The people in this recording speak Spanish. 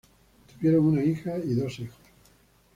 Tuvieron una hija y dos hijos.